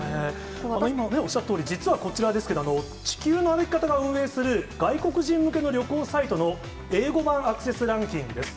今おっしゃったとおり実はこちらですけど、地球の歩き方が運営する外国人向けの旅行サイトの英語版アクセスランキングです。